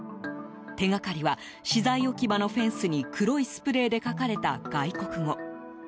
手がかりは資材置き場のフェンスに黒いスプレーで書かれた外国語。